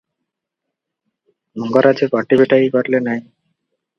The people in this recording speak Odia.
ମଙ୍ଗରାଜେ ପାଟି ଫିଟାଇ ପାରିଲେ ନାହିଁ ।